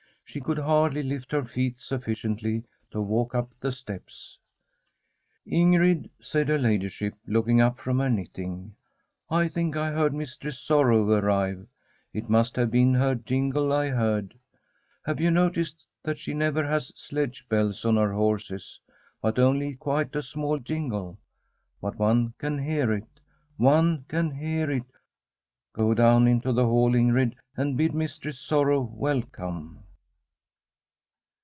She could hardly lift her feet sufficiently to walk up the steps. * Ingrid,' said her ladyship, looking up from her knitting, ' I think I heard Mistress Sorrow arrive. It must have been her jingle I heard. Have you noticed that she never has sledge bells on her horses, but only quite a small jingle ? But one can hear it— one can hear it ! Go down into [8ol Tbi STORY tf a COUNTRY HOUSE the hall, Ingrid, and bid Mistress Sorrow wel come.'